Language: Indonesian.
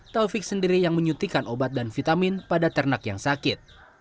taufik sendiri yang menyuntikan obat dan vitamin pada ternak yang sakit